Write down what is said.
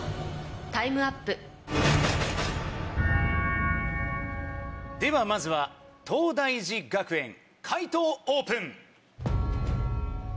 タイムアップではまずは東大寺学園解答オープン！